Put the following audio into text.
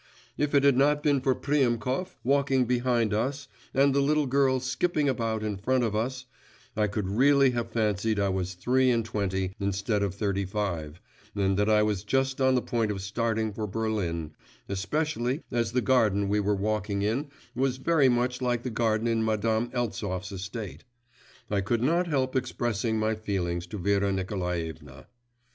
If it had not been for Priemkov walking behind us, and the little girl skipping about in front of us, I could really have fancied I was three and twenty, instead of thirty five; and that I was just on the point of starting for Berlin, especially as the garden we were walking in was very much like the garden in Madame Eltsov's estate. I could not help expressing my feelings to Vera Nikolaevna.